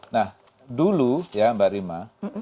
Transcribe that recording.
nah dulu ya mbak rima